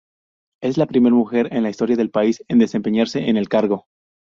Es la primera mujer en la historia del país en desempeñarse en el cargo.